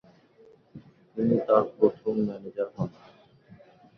তিনি তার প্রথম ম্যানেজার হন।